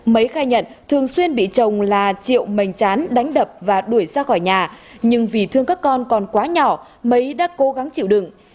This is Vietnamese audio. mấy khai nhận thường xuyên bị chồng là triệu mảnh chán đánh đập và đuổi ra khỏi nhà nhưng vì thương các con còn quá nhỏ mấy đã cố gắng chịu đựng